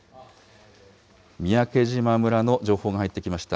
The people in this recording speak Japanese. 三宅島村の情報が入ってきました。